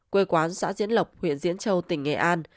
quê quán xã diễn lộc huyện diễn châu tỉnh nghệ an